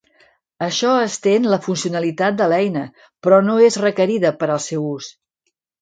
Això estén la funcionalitat de l'eina, però no és requerida per al seu ús.